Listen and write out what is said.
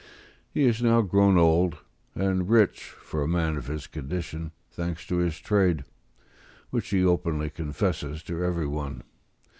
He is now grown old, and rich for a man of his condition, thanks to his trade, which he openly confesses to every one.